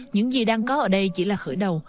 những gì đang có ở đây chỉ là khởi đầu